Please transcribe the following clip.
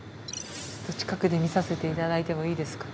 近くで見させて頂いてもいいですか？